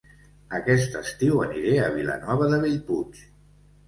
Aquest estiu aniré a Vilanova de Bellpuig